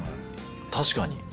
確かに。